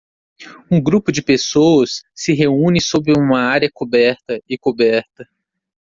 Um grupo de pessoas se reúne sob uma área coberta e coberta.